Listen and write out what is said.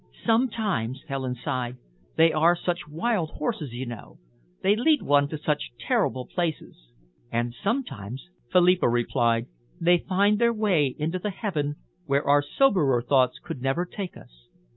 "Sometimes," Helen sighed, "they are such wild horses, you know. They lead one to such terrible places." "And sometimes," Philippa replied, "they find their way into the heaven where our soberer thoughts could never take us.